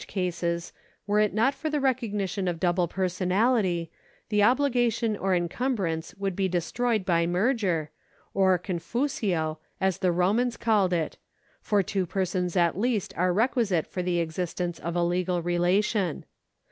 §112] PERSONS 279 cases, were it not for the recognition of double personality, the obligation or encumbrance would be destroyed by merger, or conjusio as the Romans called it, for two persons at least are requisite for the existence of a legal relation.